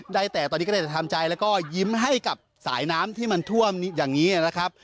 ได้แต่ตอนนี้ก็ได้แต่ทำใจแล้วก็ยิ้มให้กับสายน้ำที่มันท่วมอย่างนี้นะครับ